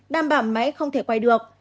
đảm bảo máy không thể quay được